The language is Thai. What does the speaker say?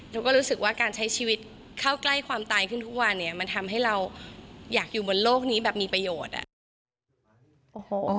รู้สึกว่าการใช้ชีวิตเข้าใกล้ความตายขึ้นทุกวันเนี่ยมันทำให้เราอยากอยู่บนโลกนี้แบบมีประโยชน์อ่ะ